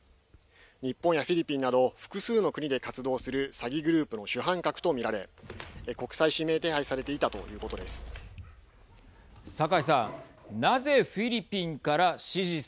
日本やフィリピンなど複数の国で活動する詐欺グループの主犯格と見られ国際指名手配されていたということです。